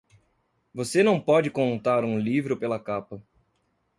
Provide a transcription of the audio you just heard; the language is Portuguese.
Você não pode contar um livro pela capa.